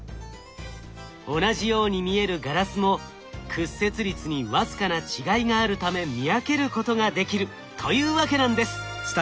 同じように見えるガラスも屈折率に僅かな違いがあるため見分けることができるというわけなんです。